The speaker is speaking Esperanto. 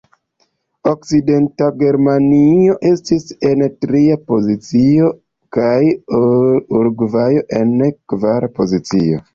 Okcidenta Germanio estis en tria pozicio, kaj Urugvajo en kvara pozicio.